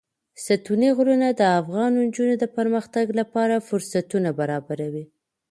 ستوني غرونه د افغان نجونو د پرمختګ لپاره فرصتونه برابروي.